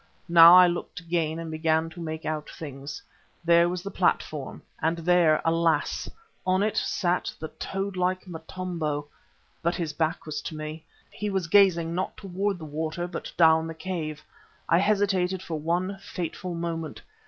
Now I looked again and began to make out things. There was the platform and there, alas! on it sat the toad like Motombo. But his back was to me; he was gazing not towards the water, but down the cave. I hesitated for one fateful moment.